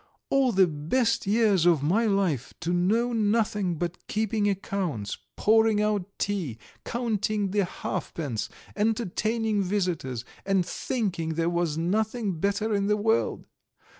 All the best years of my life to know nothing but keeping accounts, pouring out tea, counting the halfpence, entertaining visitors, and thinking there was nothing better in the world!